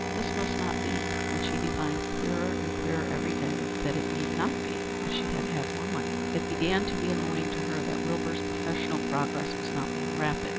This must not be; and she divined clearer and clearer every day that it need not be if she had more money. It began to be annoying to her that Wilbur's professional progress was not more rapid.